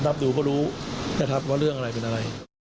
รับดูก็รู้นะครับว่าเรื่องอะไรเป็นอะไร